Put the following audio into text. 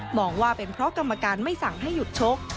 บอกว่าเป็นเพราะกรรมการไม่สั่งให้หยุดชก